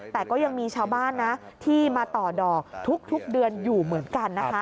แต่ก็ยังมีชาวบ้านนะที่มาต่อดอกทุกเดือนอยู่เหมือนกันนะคะ